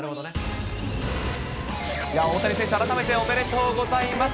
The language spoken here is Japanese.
大谷選手、改めておめでとうございます。